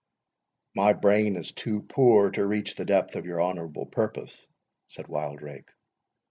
"My brain is too poor to reach the depth of your honourable purpose," said Wildrake.